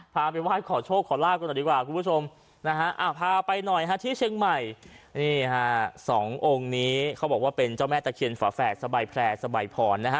พาไปไหว้ขอโชคขอลาบกันหน่อยดีกว่าคุณผู้ชมนะฮะพาไปหน่อยฮะที่เชียงใหม่นี่ฮะสององค์นี้เขาบอกว่าเป็นเจ้าแม่ตะเคียนฝาแฝดสบายแพร่สบายพรนะฮะ